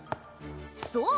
そう！